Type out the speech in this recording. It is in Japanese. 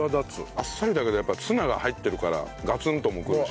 あっさりだけどやっぱツナが入ってるからガツンともくるし。